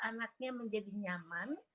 anaknya menjadi nyaman